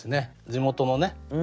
地元のね